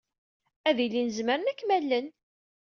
Ad ilin zemren ad kem-allen.